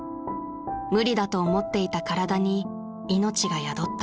［無理だと思っていた体に命が宿った］